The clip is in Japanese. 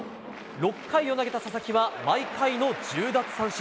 ６回を投げた佐々木は毎回の１０奪三振。